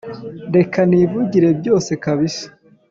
reka nivugire byose kabisa